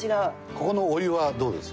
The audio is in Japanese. ここのお湯はどうです？